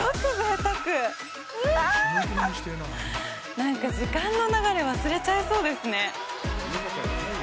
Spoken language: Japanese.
なんか時間の流れ忘れちゃいそうですね。